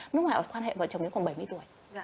nước ngoài họ quan hệ với vợ chồng đến khoảng bảy mươi tuổi